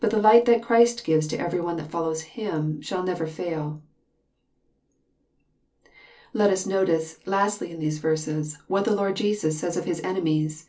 But the light that Christ gives to every one that follows Him shall never fail. Let us notice, lastly, in these verses, what the Lord Jesus says of His enemies.